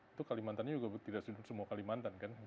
itu kalimantannya juga tidak semua kalimantan kan